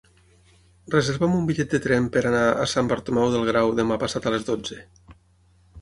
Reserva'm un bitllet de tren per anar a Sant Bartomeu del Grau demà passat a les dotze.